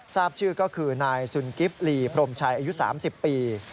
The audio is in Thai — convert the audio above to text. ทราบชื่อก็คือนายสุนกิฟต์ลีพรมชัยอายุ๓๐ปี